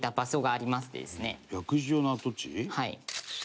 はい。